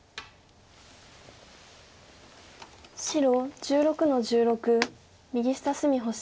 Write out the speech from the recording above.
白１６の十六右下隅星。